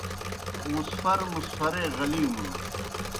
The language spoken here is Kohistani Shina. مُسفر مُسفرے غلیمُن